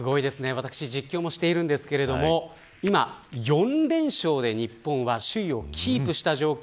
わたし、実況もしているんですが今、４連勝で日本は首位をキープした状況。